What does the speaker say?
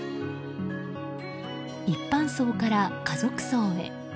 一般葬から家族葬へ。